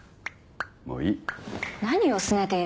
もういい。